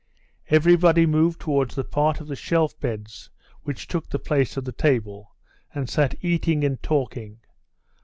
Everybody moved towards the part of the shelf beds which took the place of the table and sat eating and talking.